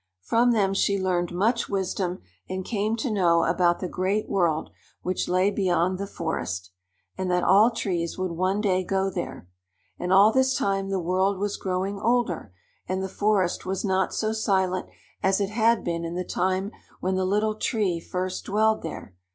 From them she learned much wisdom and came to know about the great world which lay beyond the forest, and that all trees would one day go there. And all this time the world was growing older, and the forest was not so silent as it had been in the time when the Little Tree first dwelled there.